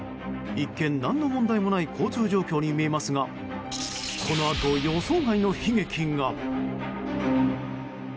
一見、何の問題もない交通状況に見えますがこのあと、予想外の悲劇が。